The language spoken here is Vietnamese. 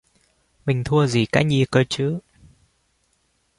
Mình thua gì cái nhi cơ chứ